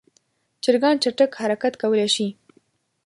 چرګان چټک حرکت کولی شي.